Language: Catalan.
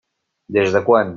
Des de quan?